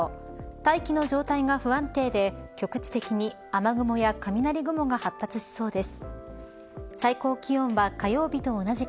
大気の状態が不安定で局地的に雨雲や雷雲が発達しそうです。